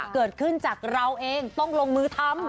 เกิดขึ้นจากเราเองต้องลงมือทำ